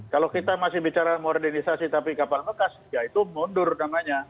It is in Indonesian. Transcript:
kalau kita masih bicara modernisasi tapi kapal bekas ya itu mundur namanya